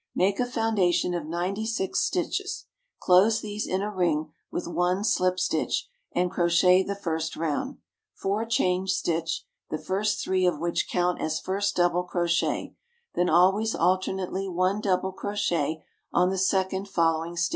Make a foundation of 96 st. (stitch), close these in a ring with 1 sl. (slip stitch), and crochet the 1st round. 4 ch. (chain stitch), the first 3 of which count as first dc. (double crochet), then always alternately 1 dc. on the second following st.